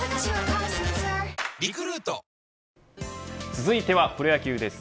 続いてはプロ野球です。